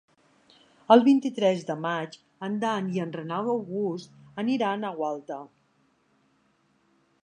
El vint-i-tres de maig en Dan i en Renat August aniran a Gualta.